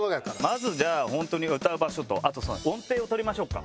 まずじゃあ本当に歌う場所とあと音程を取りましょうか。